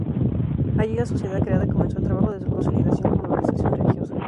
Allí, la sociedad creada comenzó el trabajo de su consolidación como organización religiosa.